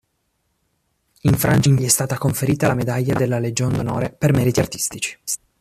In Francia gli è stata conferita la medaglia della Legion d'onore per meriti artistici.